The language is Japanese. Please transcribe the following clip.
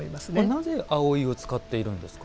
なぜ葵を使っているんですか。